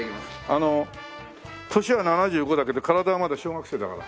あの年は７５だけど体はまだ小学生だから。